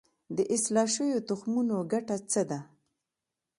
د اصلاح شویو تخمونو ګټه څه ده؟